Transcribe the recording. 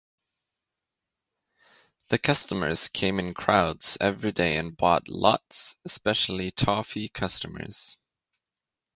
The customers came in crowds every day and bought lots, especially the toffee customers.